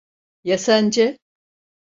Ya sence?